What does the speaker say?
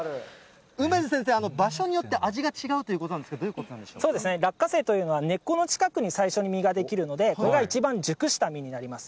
梅津先生、場所によって、味が違うということなんですが、どういそうですね、落花生というのは根っこの近くに最初に実が出来るので、これが一番熟した実になります。